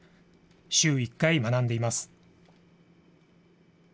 週１回学んでいます。